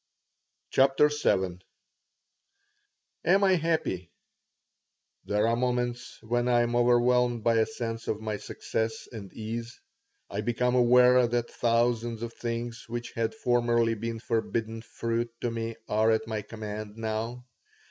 CHAPTER VII AM I happy? There are moments when I am overwhelmed by a sense of my success and ease. I become aware that thousands of things which had formerly been forbidden fruit to me are at my command now.